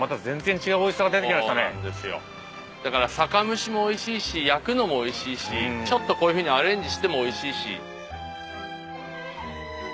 だから酒蒸しもおいしいし焼くのもおいしいしちょっとこういうふうにアレンジしてもおいしいし。